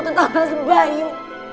tentang rasa bayu